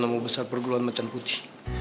nama besar perguruan macan putih